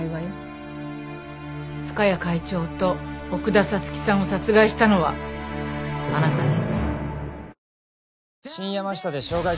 深谷会長と奥田彩月さんを殺害したのはあなたね？